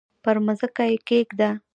پر مځکه یې کښېږده!